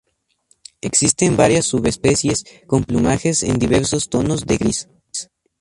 Existen varias subespecies con plumajes en diversos tonos de gris.